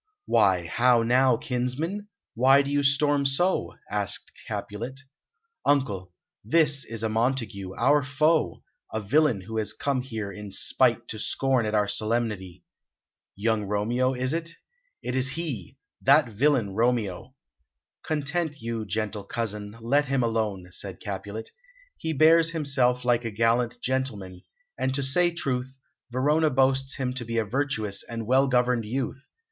"Why, how now, kinsman? Why do you storm so?" asked Capulet. "Uncle, this is a Montague, our foe a villain who has come here in spite to scorn at our solemnity." "Young Romeo, is it?" "It is he that villain Romeo!" "Content you, gentle cousin, let him alone," said Capulet. "He bears himself like a gallant gentleman, and to say truth, Verona boasts him to be a virtuous and well governed youth.